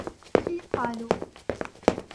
أَخِي قَالُوا